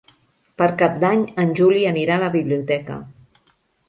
Per Cap d'Any en Juli anirà a la biblioteca.